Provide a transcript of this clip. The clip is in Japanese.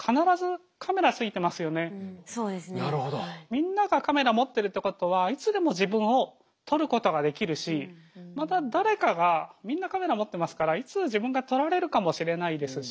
みんながカメラ持ってるってことはいつでも自分を撮ることができるしまた誰かがみんなカメラ持ってますからいつ自分が撮られるかもしれないですし